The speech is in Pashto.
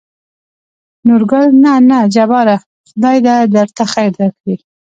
نورګل: نه نه جباره خداى د درته خېر درکړي.